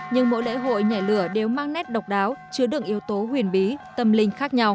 nhưng mỗi lễ hội nhảy lửa đều mang nét độc đáo chứa đựng yếu tố huyền bí tâm linh khác nhau